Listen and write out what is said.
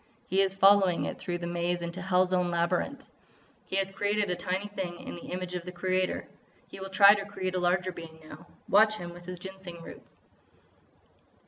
He is following it through the maze into hell's own labyrinth! He has created a tiny thing in the image of the Creator. He will try to create a larger being now. Watch him with his Ginseng roots!"